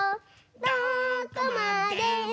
「どこまでも」